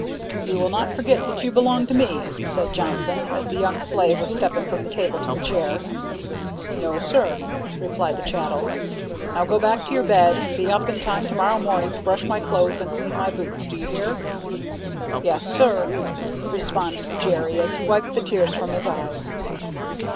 "You will not forget that you belong to me," said Johnson, as the young slave was stepping from the table to a chair. "No, sir," replied the chattel. "Now go back to your bed, and be up in time to morrow morning to brush my clothes and clean my boots, do you hear?" "Yes, sir," responded Jerry, as he wiped the tears from his eyes.